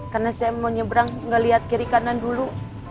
karena saya mau nyebrang gak lihat kiri kanan dulu